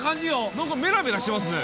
何かメラメラしてますね。